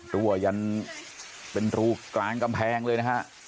รั่วยันเป็นรูกลางกำแพงเลยนะฮะ